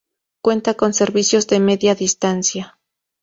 Cuenta con servicios de media distancia.